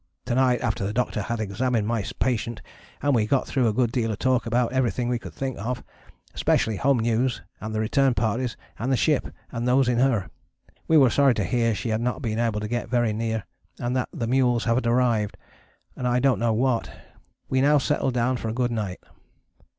To night after the Doctor had examined my patient and we got through a good deal of talk about everything we could think of, especially home news and the return parties and the ship and those in her. We were sorry to hear she had not been able to get very near, and that the mules had arrived, and I dont know what, we now settled down for a good night.